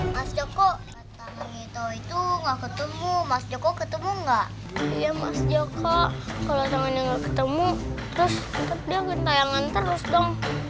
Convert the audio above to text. mas joko kalau tangannya gak ketemu terus dia akan tayangan terus dong